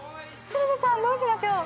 鶴瓶さんどうしましょう？